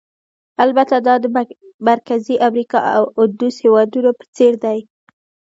البته دا د مرکزي امریکا او اندوس هېوادونو په څېر دي.